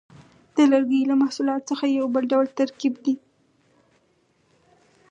د لرګیو له محصولاتو څخه یو بل ډول ترکیبات دي.